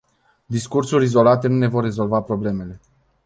Discursuri izolate nu ne vor rezolva problemele.